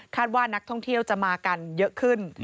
ว่านักท่องเที่ยวจะมากันเยอะขึ้น